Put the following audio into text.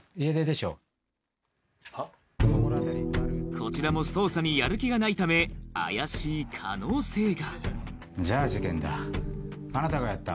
こちらも捜査にやる気がないため怪しい可能性がじゃあ事件だあなたがやった？